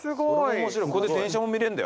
ここで電車も見れんだよ。